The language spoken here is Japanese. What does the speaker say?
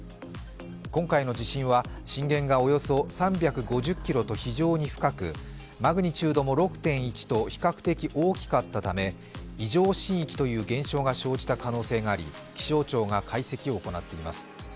今回の地震は、震源がおよそ３５０ｋｍと非常に深くマグニチュードも６．１と比較的大きかったため異常震域という現象が生じた可能性があり気象庁が解析を行っています。